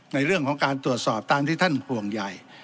ในเรื่องของการตรวจสอบตามที่ท่านห่วงใหญ่